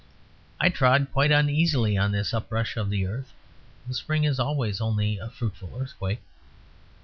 I trod quite uneasily on this uprush of the earth; the Spring is always only a fruitful earthquake.